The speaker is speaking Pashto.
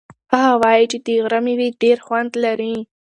هغه وایي چې د غره مېوې ډېر خوند لري.